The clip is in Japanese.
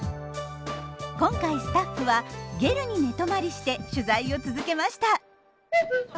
今回スタッフは「ゲル」に寝泊まりして取材を続けました。